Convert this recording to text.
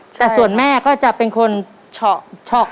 แต่ส่วนแม่ก็จะเป็นคนเฉาะ